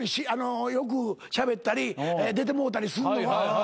よくしゃべったり出てもうたりすんのは。